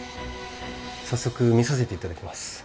早速診させていただきます。